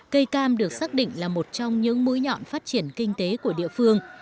cây cam được xác định là một trong những mũi nhọn phát triển kinh tế của địa phương